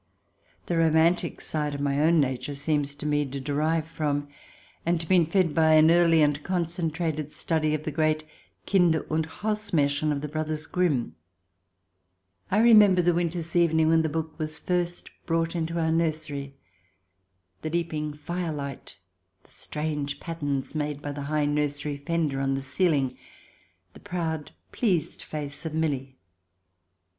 The romantic side of my own nature seems to me to derive from and to have been fed by an 8 THE DESIRABLE ALIEN [ch. i early and concentrated study of the great " Kinder und Hausmarchen" of the brothers Grimm, I remember the winter's evening when the book was first brought into our nursery, the leaping firelight, the strange patterns made by the high nursery fender on the ceiling, the proud, pleased face of Milly.